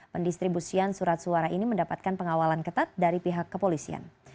pendistribusian surat suara ini mendapatkan pengawalan ketat dari pihak kepolisian